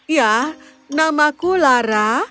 ya namaku lara